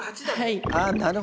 はい。